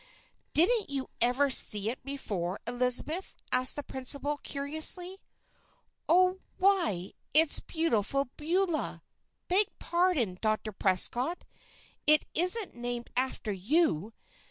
"Didn't you ever see it before, Elizabeth?" asked the principal, curiously. "Oh why! It's Beautiful Beulah! Beg pardon, Dr. Prescott! it isn't named after you.